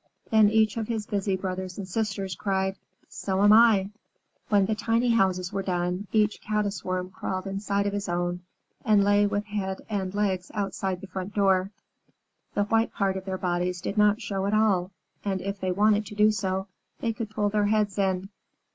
Then each of his busy brothers and sisters cried, "So am I." When the tiny houses were done, each Caddis Worm crawled inside of his own, and lay with head and legs outside the front door. The white part of their bodies did not show at all, and, if they wanted to do so, they could pull their heads in.